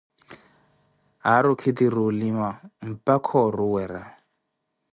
Aari okhitiri olima mpakha oruwera.